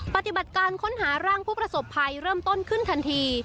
ปฏิบัติการค้นหาร่างผู้ประสบภัยเริ่มต้นขึ้นทันที